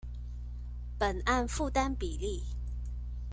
本案負擔比例